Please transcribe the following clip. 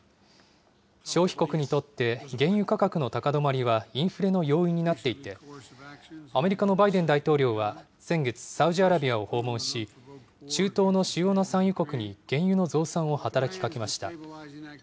消費国にとって、原油価格の高止まりはインフレの要因になっていて、アメリカのバイデン大統領は先月、サウジアラビアを訪問し、中東の主要な産油国に原油の増産を働きかけました。